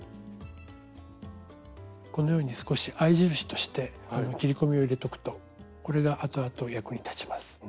このように少し合い印として切り込みを入れとくとこれが後々役に立ちます。